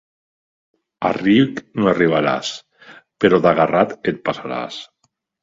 A ric no arribaràs, però d'agarrat et passaràs.